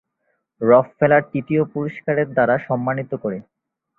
Rockefeller তৃতীয় পুরষ্কারের দ্বারা সম্মানিত করে।